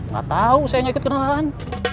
gak tau saya gak ikut kenalan